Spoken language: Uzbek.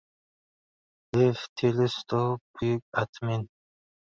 Lev Tolstoy buyuk adib.